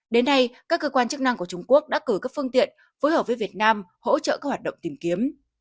đến nay các cơ quan chức năng của trung quốc đã cử các phương tiện phối hợp với việt nam hỗ trợ các hoạt động tìm kiếm